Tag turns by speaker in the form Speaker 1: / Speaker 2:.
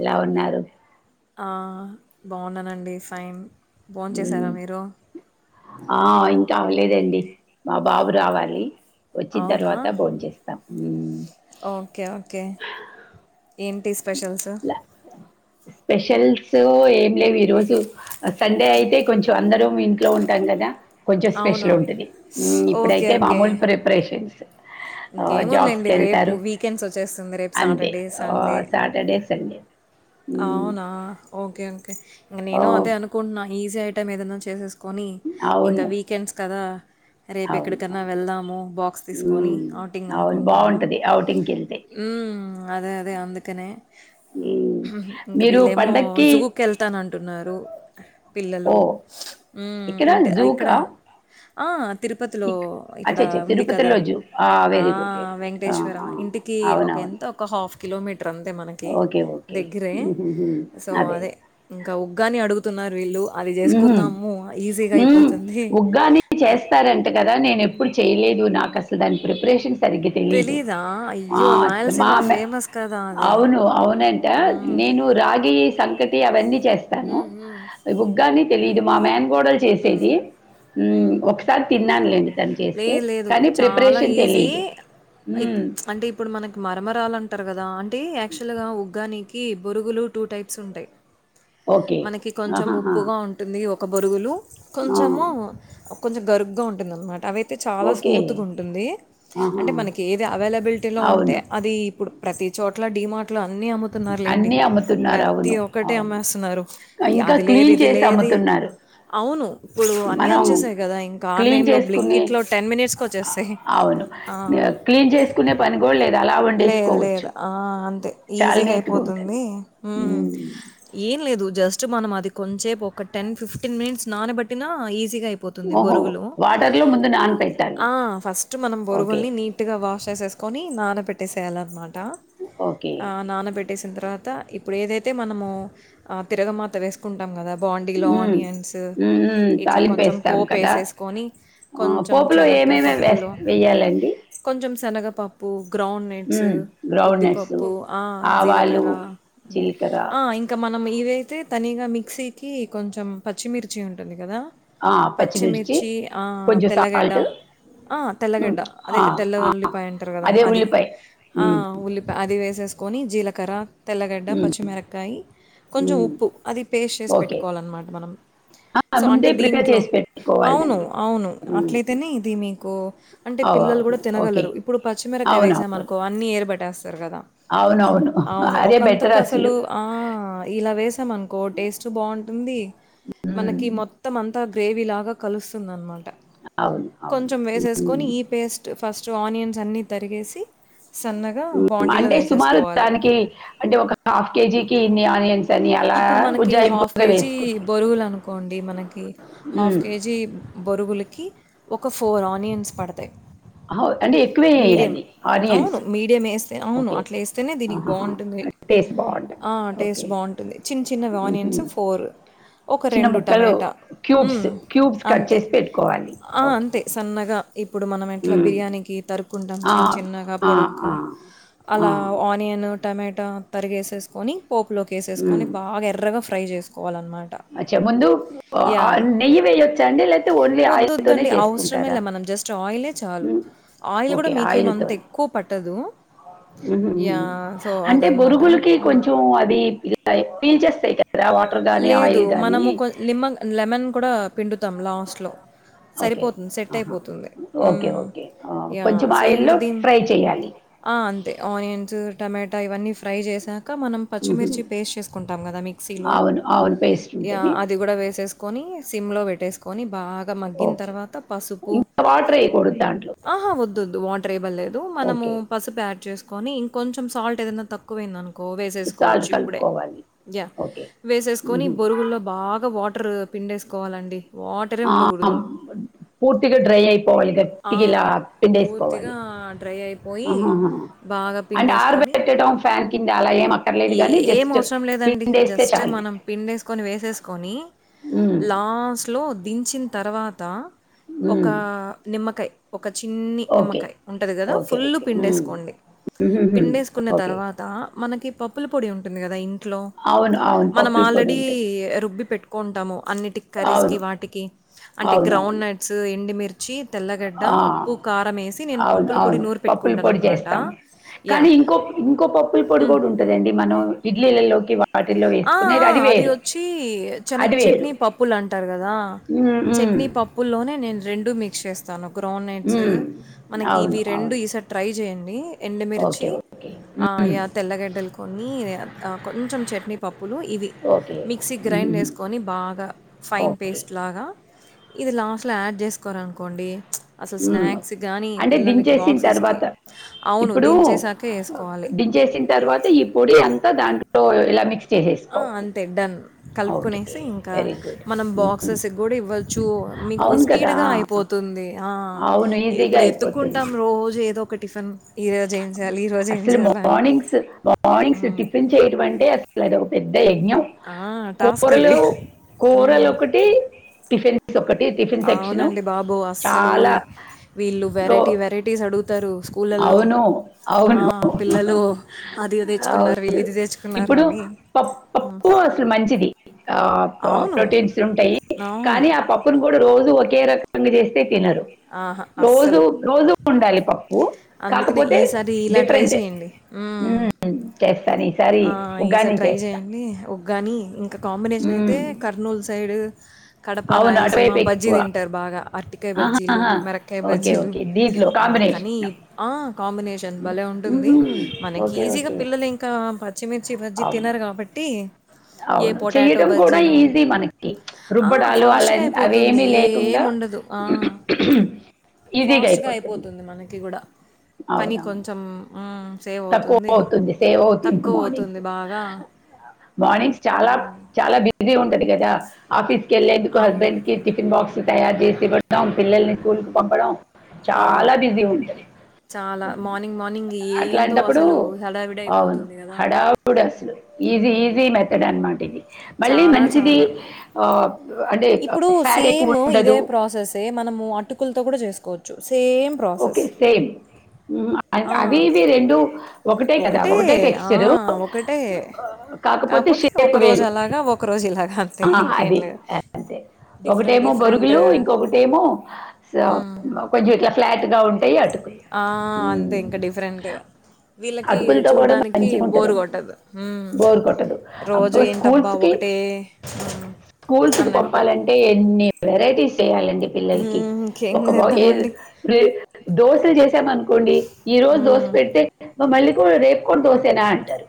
Speaker 1: ఎలా ఉన్నారు
Speaker 2: ఆ! బావున్నానండి ఫైన్ భోం చేసారా మీరు
Speaker 1: అ ఇంకా అవలేదండి మా బాబు రావాలి వచ్చిన
Speaker 2: అవునా?
Speaker 1: తర్వాత భోం చేస్తాం
Speaker 2: ఓకే. ఓకే. ఏంటి స్పెషల్స్
Speaker 1: స్పెషల్స్ ఏం లేవు ఈ రోజు సండే అయితే కొంచెం అందర ము ఇంట్లో ఉంటాం కదా కొంచెం స్పెషల్
Speaker 2: అవునవును.
Speaker 1: ఉంటది మ్ ఇప్పుడైతే మామూలు ప్రిపరేషన్స్ ఆ
Speaker 2: ఇంకేముందిలేండి
Speaker 1: జాబ్స్కి
Speaker 2: రేపు
Speaker 1: వెళ్తారు
Speaker 2: వీకెండ్స్ వచ్చేస్తుంది రేపు
Speaker 1: అంతే
Speaker 2: సాటర్డే
Speaker 1: ఆ
Speaker 2: సండే
Speaker 1: సాటర్డే సండే మ్మ్
Speaker 2: అవునా ఓకే అం డి [unintelligible] ఇంగ
Speaker 1: ఓ
Speaker 2: నేను అదే అనుకుంటున్నాను ఈసీ ఐటమ్ ఏదైన్నా చేసేసు కోని
Speaker 1: అవును
Speaker 2: ఇంకా వీకెండ్స్ కదా రేపు
Speaker 1: అవును
Speaker 2: ఎక్కడికన్నా
Speaker 1: అవును
Speaker 2: వెళ్దాము బాక్స్ తీసుకొని
Speaker 1: మ్మ్
Speaker 2: అవుటింగ్
Speaker 1: అవును
Speaker 2: అనుకుంటున్నాను
Speaker 1: బావుంటది ఔటింగ్కి వెళ్తే
Speaker 2: ఉమ్ అదే అదే అందుకనే
Speaker 1: హ్మ్.
Speaker 2: ఉహూ ఇంక
Speaker 1: మీరు
Speaker 2: వీళ్ళేమో
Speaker 1: పండక్కి
Speaker 2: జూ కి వెళ్తానం టున్నారు పిల్లలు
Speaker 1: ఓహ్!
Speaker 2: ఉమ్
Speaker 1: ఇక్కడ
Speaker 2: ఇంటి ఇక్కడ
Speaker 1: జూకా?
Speaker 2: ఆ తిరుపతిలో
Speaker 1: ఇక్
Speaker 2: ఇక్కడ
Speaker 1: అచ్చచ్చ!
Speaker 2: ఉంది కదా
Speaker 1: తిరుపతిలో జూ.
Speaker 2: ఆ
Speaker 1: వెరీ గుడ్. Very good. ఆ!
Speaker 2: వెేంకటేశ్వర
Speaker 1: ఆ!
Speaker 2: ఇంటికి ఒక
Speaker 1: అవునవును.
Speaker 2: ఎంత ఒక హాఫ్ కిలోమీట ర్ అంతే మనకి
Speaker 1: ఓకే. ఓకే.
Speaker 2: దగ్గరే
Speaker 1: హుహుహు.
Speaker 2: సో అదే ఇంకా ఉగ్గాని అడుగు తున్నారు వీళ్లు
Speaker 1: ఉహూ ఉమ్ ఉగ్గానీ
Speaker 2: ఆ!
Speaker 1: చేస్తారంట కదా నేను ఎప్పుడు చేయలేదు నాకు అసలు దాని ప్రిపరేషన్ సరిగ్గా తెలియదు
Speaker 2: తెలీదా?
Speaker 1: మా
Speaker 2: అయ్యో!
Speaker 1: అత్తమ్మ
Speaker 2: రాయలసీమ ఫేమస్ కదా! అది.
Speaker 1: అవును అవునంట
Speaker 2: హ్మ్.
Speaker 1: నేను రాగి సంకటి అవన్నీ చేస్తాను
Speaker 2: హ్మ్.
Speaker 1: ఉ తెలియదు మా మే
Speaker 2: ఉమ్ ఉమ్
Speaker 1: ఒకసారి తిన్నానులేండి తను చేస్తే
Speaker 2: లేదు లేదు
Speaker 1: కానీ
Speaker 2: చాలా
Speaker 1: ప్రిపరేషన్
Speaker 2: ఈజీ
Speaker 1: తెలియదు
Speaker 2: ఇ
Speaker 1: మ్మ్,
Speaker 2: ప్చ్ అంటే ఇప్పుడు మనకి మరమరాలంటారు కదా అంటే యాక్చువల్ గా ఉగ్గాని కి బొరుగులు టూ టైప్స్ ఉంటాయి
Speaker 1: ఓకే
Speaker 2: మనకి కొంచెం
Speaker 1: ఆహాహా.
Speaker 2: ఉప్పుగా ఉంటుంది ఒక బొరుగులు
Speaker 1: ఆ,
Speaker 2: కొంచము కొంచెం గరుగ్గా ఉంటుంది అన్నమాట అవి తె చాలా
Speaker 1: ఓకే
Speaker 2: స్మూత్గా ఉంటుంది
Speaker 1: ఆహా.
Speaker 2: అంటే మనకి ఏది అవైలబిలిటీలో ఉంటే
Speaker 1: అవును
Speaker 2: అది ఇప్పుడు ప్రతి చో ఇట్ల డిమార్ట్ లో అన్ని అమ్ముతున్నారు లేండి
Speaker 1: అన్నీ అమ్ముతున్నారు
Speaker 2: ప్రతి
Speaker 1: అవును
Speaker 2: ఒక్కటి అమ్
Speaker 1: అవును
Speaker 2: రు
Speaker 1: ఇంకా
Speaker 2: అది లేదు
Speaker 1: క్లీన్
Speaker 2: ఇది
Speaker 1: చేసి
Speaker 2: లేదు
Speaker 1: అమ్ముతున్నారు
Speaker 2: అవును ఇప్పుడు అన్నీ
Speaker 1: మనం
Speaker 2: వచ్చేసాయ్ కదా ఇంకా
Speaker 1: క్లీన్
Speaker 2: ఆన్లైన్ లో
Speaker 1: చేసుకుని
Speaker 2: బ్లింకిట్ లో టెన్ మినిట్స్ కి వచ్చేస్తాయి
Speaker 1: అవును
Speaker 2: ఆ
Speaker 1: క్లీన్ చేసుకునే పని కూడా లేదు అలా
Speaker 2: లేదు
Speaker 1: వండేసుకోవచ్చు
Speaker 2: లేదు ఆ అంతే
Speaker 1: చాలా
Speaker 2: ఉత్తిగా
Speaker 1: నీట్గా ఉంటుంది
Speaker 2: అయిపోతుంది ఉమ్
Speaker 1: మ్మ్.
Speaker 2: లేదు జస్ట్ మనం అది కొంచేపు ఒక టెన్ ఫిఫ్టీన్ మినిట్స్ నాన బెట్టినా ఈజీ పచ్చిగా అయిపోతుంది
Speaker 1: ఓహో
Speaker 2: బొరుగులు
Speaker 1: వాటర్లో ముందు నానపెట్టాలి
Speaker 2: ఆ ఫస్ట్ మనం
Speaker 1: ఓకే
Speaker 2: బొరుగుల్ని నీటుగా వాష్ సేసుకొని నాన పెట్టేసేయాలన్నమాట
Speaker 1: ఓకే
Speaker 2: ఆ నానబెట్టేసిన తర్వాత త ఇప్పుడు ఏదైతే మనము ఆ తిరగమాత వేసుకుంటాం కదా బాండీలో
Speaker 1: మ్మ్.
Speaker 2: ఆనియన్స్
Speaker 1: మ్మ్.
Speaker 2: ఇట్లా
Speaker 1: తాలింపు
Speaker 2: కొంచెం
Speaker 1: వేస్తాం కదా
Speaker 2: పోపెసేసుకొని
Speaker 1: ఆ,
Speaker 2: కొంచెం
Speaker 1: పోపులో
Speaker 2: చెనక్కయ
Speaker 1: ఏమేమి వేస్
Speaker 2: పప్పులు
Speaker 1: వేయాలండి
Speaker 2: కొంచెం శనగపప్పు గ్రౌండ్నట్స్
Speaker 1: మ్మ్. గ్రౌండ్ నట్స్
Speaker 2: ఉద్దిపప్పు ఆ
Speaker 1: ఆవాలు
Speaker 2: జీలకర్ర
Speaker 1: జీలకర్ర
Speaker 2: ఆ ఇం మనం ఇవయితే తనిగా మిక్సీకి కొంచెం పచ్చిమిర్చి ఉంటుంది కదా పచ్చిమిర్చి ఆ
Speaker 1: కొంచెం
Speaker 2: తెల్లగడ్డ
Speaker 1: సాల్ట్
Speaker 2: ఆ తెల్లగడ్డ అదే తెల్ల ఉల్లిపాయ అంటారు కదా
Speaker 1: అదే
Speaker 2: అది
Speaker 1: ఉల్లిపాయ
Speaker 2: ఆ
Speaker 1: మ్మ్.
Speaker 2: ఉల్లిపాయ అది వేసేస్ కొని జీలకర తెల్లగడ్డ
Speaker 1: మ్మ్.
Speaker 2: పచ్చిమిరపకాయ్ కొంచ
Speaker 1: మ్మ్.
Speaker 2: ఉప్పు అది పేస్ట్ చేసి
Speaker 1: ఓకే
Speaker 2: పెట్టుకోవాలన్నమాట మనం
Speaker 1: ఆ,
Speaker 2: సో
Speaker 1: ముందే
Speaker 2: అంటే
Speaker 1: ప్రిపేర్
Speaker 2: దీంట్లో
Speaker 1: చేసి
Speaker 2: అవును
Speaker 1: పెట్టుకోవాలండి
Speaker 2: అవును
Speaker 1: ఉమ్,
Speaker 2: అట్లయితేనే ఇది మీకు అంటే పిల్లలు
Speaker 1: అవ్-
Speaker 2: కూడా
Speaker 1: ఓకే
Speaker 2: తినగలరు ఇప్పుడు పచ్చిరప కాయ్
Speaker 1: అవునవును
Speaker 2: ఎసమానుకో బేటాస్ స్తరు కదా
Speaker 1: అవునవును
Speaker 2: అవును
Speaker 1: అదే బెటర్
Speaker 2: ఒకంతకు అసలు ఆ ఇలా వేసామనుకో టేస్ట్ బాగుంటుంది
Speaker 1: ఉమ్,
Speaker 2: మనకి మొత్తం అంతా గ్రేవీ లాగా కలుస్తుంది అన్నమాట్
Speaker 1: అవును అవును
Speaker 2: కొంచెం వేసేసుకొని
Speaker 1: ఉమ్,
Speaker 2: ఈ పెస్ట్ ఫస్ట్ ఆనియన్స్ అన్నీ తరిగేసి సన్నగా
Speaker 1: హు
Speaker 2: బాండీలో
Speaker 1: అంటే సుమారు
Speaker 2: వేసేసుకోవాలి.
Speaker 1: దానికి అంటే ఒక హాఫ్ కేజీకి ఇన్ని ఆనియన్స్ అని అలా
Speaker 2: ఇప్పుడు మనకి హాఫ్
Speaker 1: ఉజ్జాయింపుగా
Speaker 2: కేజీ
Speaker 1: వేసుకుంటారు
Speaker 2: బొరుగులు అనుకోండి మనకి హాఫ్
Speaker 1: ఉమ్,
Speaker 2: కేజీ బొరుగులకి ఒక ఫోర్ ఆనియన్స్ పడతాయి
Speaker 1: అహా అంటే ఎక్కువే
Speaker 2: మీడియం.
Speaker 1: వేయాలి ఆనియన్స్
Speaker 2: అవును. మీడియం ఏస్తే అవును.
Speaker 1: ఓకే
Speaker 2: అట్లా ఏస్తేనే దీనికి
Speaker 1: అహహ
Speaker 2: బావుంటుంది.
Speaker 1: టేస్ట్ బాగుంటది
Speaker 2: ఆ! టేస్ట్
Speaker 1: ఓకే
Speaker 2: బావుంటుంది. చిన్న చిన్నవి అనియన్స్
Speaker 1: ఉహుం.
Speaker 2: పోర్ ఒక
Speaker 1: చిన్న
Speaker 2: రెండు
Speaker 1: ముక్కలు
Speaker 2: టమోటా
Speaker 1: క్యూబ్స్
Speaker 2: ఉమ్
Speaker 1: క్యూబ్స్ కట్
Speaker 2: అంతే
Speaker 1: చేసి పెట్టుకోవాలి
Speaker 2: అ అంతే
Speaker 1: ఓకే
Speaker 2: సన్నగ గ ఇప్పుడు మనం ఎట్లా
Speaker 1: ఉమ్.
Speaker 2: బిర్యానీకి తరుకుంటాం
Speaker 1: ఆ,
Speaker 2: చిన్న చిన్నగా
Speaker 1: ఆ, ఆ,
Speaker 2: పొడుగ్గా
Speaker 1: ఆ,
Speaker 2: అలా ఆనియన్ టమోటా తరిగేసేసుకొని పోపులోకి కొని
Speaker 1: ఉమ్.
Speaker 2: బాగా ఎర్రగా ఫ్రై చేస్ కోవాలన్నమాట
Speaker 1: అచ్చా ముందు
Speaker 2: యా
Speaker 1: ఆ, నెయ్యి వేయొచ్చా అండి లేకపోతే ఓన్లీ ఆయిల్తోనే
Speaker 2: ఒద్దోద్దండి
Speaker 1: చేసుకుంటారా
Speaker 2: అవసరమేలే మనం జస్ట్ ఆయిలే చాలు
Speaker 1: ఉమ్,
Speaker 2: ఆయిల్ కూడా మీకేమంతా ఎక్కువ పట్టదు
Speaker 1: ఉహం
Speaker 2: యాహ్! సో,
Speaker 1: అంటే
Speaker 2: అదనమాట.
Speaker 1: బొరుగులకి
Speaker 2: హ్మ్.
Speaker 1: కొంచెం అది ఇ ల పిల్ చేస్తాయిగా
Speaker 2: లేదు మనము కొ లిం నిమ్మ లెమన్ కూడా పిండు దాం లాస్ట్ లో
Speaker 1: ఓకే
Speaker 2: సరిపోతుంది సెట్
Speaker 1: ఆహా.
Speaker 2: అయిపోతుంది
Speaker 1: ఓకే
Speaker 2: ఉమ్
Speaker 1: ఓకే ఆ,
Speaker 2: యా
Speaker 1: కొంచెం
Speaker 2: సో
Speaker 1: ఆయిల్లో
Speaker 2: యింకా దీని
Speaker 1: ఫ్రై చేయాలి
Speaker 2: అ అంతే అనియిన్స్ టమా ట ఇవన్నీ ఫ్రై చేసా ఇంకా మనం
Speaker 1: ఉహు.
Speaker 2: పచ్చిమిర్చి పేస్ట్ చేసుకుంటాం కదా మిక్సీలో
Speaker 1: ఆవుల పేస్ట్ ఉంటాది
Speaker 2: కొని సిమ్ లో పెట్టేసుకొని బాగా మగ్గిన
Speaker 1: ఓకే
Speaker 2: తర్వాత పసుపు
Speaker 1: ఇంకా వాటర్ వేయకూడదు దాంట్లో
Speaker 2: ఆహా వద్ ద్దు వద్దు వాటర్ ఏమ్ ఇవ్వలేదు మనము
Speaker 1: ఓకే
Speaker 2: పసుపు యాడ్ చేసు కొని ఇంకొం సాల్ట్ ఏదైన్నా తక్కువైయింది అను కో
Speaker 1: సాల్ట్
Speaker 2: వేసేసుకోవచ్చు ఇప్పుడే
Speaker 1: కలుపుకోవాలి
Speaker 2: యా
Speaker 1: ఓకే
Speaker 2: వేసేసుకొని
Speaker 1: మ్మ్.
Speaker 2: బొరుగుల్లో బాగా వాట టర్ పిండేసుకోవాలండి
Speaker 1: ఆ
Speaker 2: ఉండగూడదు.
Speaker 1: పూర్తిగా డ్రై అయిపోవాలి
Speaker 2: ఆ!
Speaker 1: గట్టిగా ఇలా పిండేసుకోవాలి
Speaker 2: పూర్తిగా డ్రై
Speaker 1: ఆ
Speaker 2: అయిపోయి,
Speaker 1: హుమ్
Speaker 2: బాగా
Speaker 1: అండ్ ఆర
Speaker 2: పిండేసుకొని
Speaker 1: పెట్టడం ఫ్యాన్ క్రింద్ర ఆలా ఏం అక్కర్లేదు కానీ
Speaker 2: ఏం
Speaker 1: జస్ట్
Speaker 2: అవసరం లేదండి
Speaker 1: పిండేస్తే
Speaker 2: జస్ట్
Speaker 1: చాలు
Speaker 2: మనం పిండేసుకొని వేసేసుకొని
Speaker 1: మ్మ్.
Speaker 2: లాస్ట్ లో దించిన తర్వాత ఒక
Speaker 1: మ్మ్.
Speaker 2: నిమ్మకాయి ఒక చిన్ని
Speaker 1: ఓకే
Speaker 2: నిమ్మకాయ ఉంటుంది కదా
Speaker 1: ఓకే
Speaker 2: ఫుల్లు
Speaker 1: ఓకే మ్మ్.
Speaker 2: పిండేసుకోండి
Speaker 1: మ్మ్.
Speaker 2: పిండేసుకున్న
Speaker 1: ఓకే
Speaker 2: తర్వాత మనకి పప్ప ప్పుల పొడి ఉంటుంది కదా ఇం ట్లో
Speaker 1: అవును అవును
Speaker 2: మనం
Speaker 1: పప్పుల పొడి
Speaker 2: ఆల్రెడీ
Speaker 1: ఉంటుంది
Speaker 2: రుబ్బి పెట్కు కొండము అన్నిటి కర్రీస్కి
Speaker 1: అవును
Speaker 2: వాటికి అంటే
Speaker 1: అవును అవును
Speaker 2: గ్రౌండ్నట్స్ ఎండి మీరు
Speaker 1: ఆ
Speaker 2: నేను
Speaker 1: అవును
Speaker 2: పప్పుల పొడి
Speaker 1: అవును
Speaker 2: నూరి
Speaker 1: పప్పుల
Speaker 2: పెట్టుకుంటాను
Speaker 1: పొడి
Speaker 2: అనమాట
Speaker 1: చేస్తాం
Speaker 2: యా
Speaker 1: కానీ ఇంకో ఇంకో పప్పుల పొడి కూడా ఉంటదండి మనం ఇడ్లీలలోకి వా
Speaker 2: ఆ ఆ అది వచ్చి చినగ
Speaker 1: అది వేరు
Speaker 2: చట్నీ పప్పులు అంటారు కదా
Speaker 1: ఉమ్, ఉమ్,
Speaker 2: చట్నీ పప్పుల్లోనే నేను రెండు మీిక్స్ చేస్తాను గ్రోనట్స్
Speaker 1: ఉమ్.
Speaker 2: మనకి
Speaker 1: అవును
Speaker 2: ఇవి రెండు
Speaker 1: అవును
Speaker 2: ఈసారి ట్రై చేయం నీ
Speaker 1: ఓకే
Speaker 2: ఎండుమిర్చి
Speaker 1: ఓకే
Speaker 2: ఆ
Speaker 1: ఉమ్,
Speaker 2: యా తెల్లగడ్డల కొన్ని కొంచెం చట్నీ ప్పులు ఇవి
Speaker 1: ఓకే
Speaker 2: మిక్సి గ్రైండ్
Speaker 1: ఉమ్,
Speaker 2: చేసుకొని బాగా ఫైన్
Speaker 1: ఓకే
Speaker 2: పేస్ట్ లాగా ఇది లాస్ట్లో యాడ్ చేసుకోరనుకోండి
Speaker 1: ఉమ్ అంటే దించేసిన
Speaker 2: బాక్సెస్‌కి
Speaker 1: తర్వాత
Speaker 2: అవును.
Speaker 1: ఇప్పుడు
Speaker 2: దించేసాకే ఏసుకోవాలి.
Speaker 1: దించేసిన తర్వాత ఈ పొడి అంతా దాంట్లో లా మక్ష్
Speaker 2: ఆ అంతే డన్
Speaker 1: ఓకే
Speaker 2: కలుపుకునేసి ఇంకా
Speaker 1: వెరీ గుడ్
Speaker 2: మనం బాక్సెస్ కూడా ఇవ్వచ్చు మీకు
Speaker 1: అవును కదా
Speaker 2: స్పీడ్గా అయిపోతుంది. ఆ
Speaker 1: అవును ఈజీగా
Speaker 2: ఇప్పుడు ఎత్తుకుంటాం
Speaker 1: అయిపోతుంది
Speaker 2: రోజు ఏదో ఒక టిఫన్
Speaker 1: అసలు మార్నింగ్స్ మార్నింగ్స్
Speaker 2: హ్మ్.
Speaker 1: టిఫిన్ చేయడం అంటే అస అదోక పెద్ద యజ్ఞం
Speaker 2: ఆ! టాస్క్
Speaker 1: కూరలు
Speaker 2: అది.
Speaker 1: కూరలు
Speaker 2: హ్మ్.
Speaker 1: ఒకటి టిఫిన్ రైస్ ఒక్కటి
Speaker 2: అవునండి బాబో అస్సలు వీళ్ళు వెరైటీ
Speaker 1: రో-
Speaker 2: వెరైటీస్ అడుగుతారు స్కూల్లో లో
Speaker 1: అవును అవును
Speaker 2: ఆహ్ పిల్లలు అది
Speaker 1: అవును.
Speaker 2: తెచ్చుకున్నారు వీళ్లు, ఇది తెచ్చుకున్నారు
Speaker 1: ఇప్పుడు
Speaker 2: అని ఆహ్
Speaker 1: ఆహ్ పో ప్రోటీన్స్ ఉంటాయి
Speaker 2: అవును.
Speaker 1: కానీ ఆ పప్పును కూడా రోజు ఓక్ ఓకే రకంగా చేస్తే తినరు
Speaker 2: ఆహా!
Speaker 1: రోజు
Speaker 2: అస్సలు.
Speaker 1: రోజు ఉండాలి పప్పు
Speaker 2: కనే
Speaker 1: కాకపోతే
Speaker 2: ఈసారి ఇలా ట్రై
Speaker 1: డిఫరెంట్
Speaker 2: చేయండి ఉహ్
Speaker 1: చేస్తాను ఈసారి
Speaker 2: ఆహ్ ఈసారి
Speaker 1: ఉగ్గాని
Speaker 2: ట్రై
Speaker 1: చేస్తా
Speaker 2: చేయండి ఉగ్గాని ఇంకా కాంబినేషన్ అయితే
Speaker 1: మ్మ్.
Speaker 2: కర్నూలు సైడ్ కడప
Speaker 1: అవును
Speaker 2: రాయలసీమ
Speaker 1: అటువైపు
Speaker 2: బజ్జీ
Speaker 1: ఎక్కువ
Speaker 2: తింటారు బాగా అర్టి కే బజ్జి బజ్జీలు
Speaker 1: ఆహాహా.
Speaker 2: మిరకాయ
Speaker 1: ఓకే
Speaker 2: బజ్జీలు
Speaker 1: ఓకే దీంట్లో
Speaker 2: ఆహ్ కానీ
Speaker 1: కాంబినేషన్
Speaker 2: ఆ కాంబినేషన్ భలే ఉంటుంది మనకి
Speaker 1: ఓకే
Speaker 2: ఈజీగా
Speaker 1: ఓకే
Speaker 2: పిల్లలు ఇంకా పచ్చిమిర్చి బజ్జీ
Speaker 1: అవును
Speaker 2: తినరు కాబట్టి ఏ
Speaker 1: అవును
Speaker 2: పొటాటో
Speaker 1: చేయడం కూడా
Speaker 2: బజ్జీనో
Speaker 1: ఈజీ మనకి
Speaker 2: ఆ!
Speaker 1: రుబ్బడాలు అలా
Speaker 2: ఫాస్ట్‌గా
Speaker 1: అవేమీ లేకుండా
Speaker 2: ఫాస్ట్‌గా అయిపోతుంది మనకి కూడా పని
Speaker 1: అవునవును
Speaker 2: కొంచెం ఆహ్
Speaker 1: తక్కువ అవుతుంది సేవ్ అవుతుంది మార్నింగ్స్
Speaker 2: అవుతుంది బాగా
Speaker 1: మార్నింగ్స్ చాలా చాలా బిజీ ఉం టది కదా ఆఫీస్ కేలేందుకు
Speaker 2: అవును
Speaker 1: హస్బండ్కి టిఫన్ బాక్స్ తయారు చేసివ్వడం పిల్లల్ని స్కూల్కి పంపడం
Speaker 2: అవును
Speaker 1: చాలా బిజీ ఉంటుంది
Speaker 2: చాలా మార్నింగ్ మార్నింగ్ ఏ
Speaker 1: అట్లాంటప్పుడు అవును హడావుడు అస్సలు ఈజీ ఈజీ మెథడ్ అన్మాట ఇది మళ్ళీ
Speaker 2: చాలా
Speaker 1: మంచిది
Speaker 2: చాలా
Speaker 1: ఆ అంటే
Speaker 2: ఇప్పుడు
Speaker 1: ఫ్యాట్ ఎక్కువ
Speaker 2: సేమ్
Speaker 1: ఉండదు
Speaker 2: ఇదే ప్రాసెసే మనము అటుకులతో కూడా చేసుకోవచ్చు జోసి సేమ్ ప్రాసెస్
Speaker 1: ఓకే సేమ్ అవి ఇవి రెండు
Speaker 2: ఒకటే ఒకటే కాకపోతే
Speaker 1: షేప్
Speaker 2: ఒకరోజు
Speaker 1: వేరు
Speaker 2: అలాగా ఒకరోజు ఇలాగ అంతే
Speaker 1: ఆ,
Speaker 2: ఇంకేం
Speaker 1: అది
Speaker 2: లేదు
Speaker 1: అంతే
Speaker 2: డిఫరెంట్
Speaker 1: ఒకటేమో బొరుగులు
Speaker 2: డిఫరెంట్
Speaker 1: ఇంకొకటేమో
Speaker 2: హ్మ్.
Speaker 1: కొంచెం ఇట్లా ఫ్లాట్ గా ఉంటాయి అటుకులు
Speaker 2: ఆ అంతే
Speaker 1: ఉమ్,
Speaker 2: ఇంకా డిఫరెంట్ వీళ్ళకి
Speaker 1: అటుకులతో కూడా
Speaker 2: చూడ్డానికి
Speaker 1: మంచిగా
Speaker 2: బోరు
Speaker 1: ఉంటదండి
Speaker 2: కొట్టదు ఉ
Speaker 1: బోర్ కొట్టదు
Speaker 2: రోజు
Speaker 1: అబ్బో
Speaker 2: ఏంటబ్బా
Speaker 1: స్కూల్స్ కి
Speaker 2: ఒకటే అన్న
Speaker 1: చెప్పాలంటే ఎన్ని వెరైటీస్ చేయాలండి పిల్లలకి
Speaker 2: హ్మ్. ఇంకేం
Speaker 1: ఒక బా
Speaker 2: చేద్దామండి.
Speaker 1: ఏది దోశలు చేశామనుకోండి ఈ రోజు దోశ
Speaker 2: హ్మ్.
Speaker 1: పెడితే మళ్ళీ కూడా రేపుకని దోసేనా అంటారు